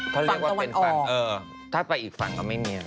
เขาเรียกว่าเป็นฝั่งถ้าไปอีกฝั่งก็ไม่มีอะไร